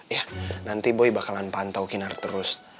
ya nanti boy bakalan pantau kinar terus